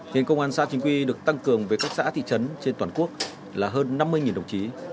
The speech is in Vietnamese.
hiện công an xã chính quy được tăng cường về các xã thị trấn trên toàn quốc là hơn năm mươi đồng chí